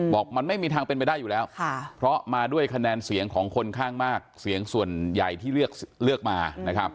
บอกมันไม่มีทางเป็นไปได้อยู่แล้วเพราะมาด้วยคะแนนเสียงของคนข้างมากเสียงส่วนใหญ่ที่เลือกมานะครับ